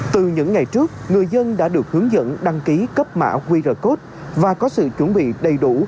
từ những ngày trước người dân đã được hướng dẫn đăng ký cấp mã qr code và có sự chuẩn bị đầy đủ